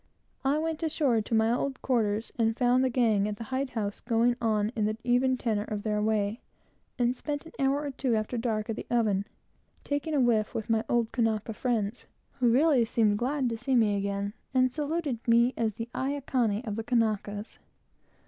I went ashore to my old quarters, and found the gang at the hide house going on in the even tenor of their way, and spent an hour or two, after dark, at the oven, taking a whiff with my old Kanaka friends, who really seemed glad to see me again, and saluted me as the Aikane of the Kanakas.